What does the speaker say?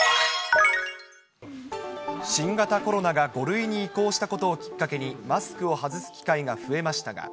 新型コロナが５類に移行したことをきっかけにマスクを外す機会が増えましたが。